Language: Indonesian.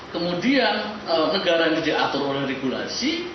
kemudian negara ini diatur oleh regulasi